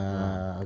pegang teguh fatwa